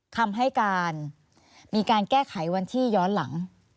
คำให้การมีการแก้ไขวันที่ย้อนหลัง